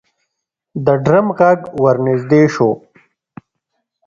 د ډرم غږ ورنږدې شو.